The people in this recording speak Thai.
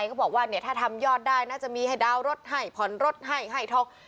เขาบอกว่าเนี่ยถ้าทำยอดได้น่าจะมีให้ดาวนรถให้ผ่อนรถให้ให้ทอง